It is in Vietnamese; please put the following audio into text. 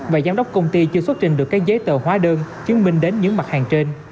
và giám đốc công ty chưa xuất trình được các giấy tờ hóa đơn chứng minh đến những mặt hàng trên